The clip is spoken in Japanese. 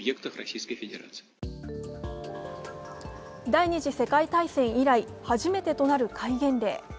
第二次世界大戦以来初めてとなる戒厳令。